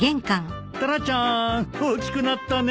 タラちゃん大きくなったね。